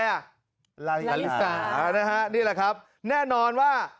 อะไรอลิสานะฮะนี่แหละครับแน่นอนว่า